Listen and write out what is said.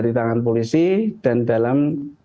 di tangan polisi dan dalam